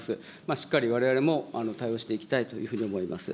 しっかりわれわれも対応していきたいというふうに思います。